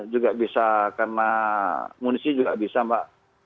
juga bisa karena munisi juga bisa mbak